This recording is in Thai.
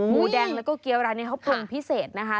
หมูแดงแล้วก็เกี้ยวร้านนี้เขาปรุงพิเศษนะคะ